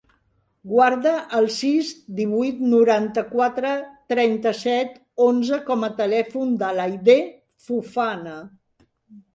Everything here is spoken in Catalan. Guarda el sis, divuit, noranta-quatre, trenta-set, onze com a telèfon de l'Aidé Fofana.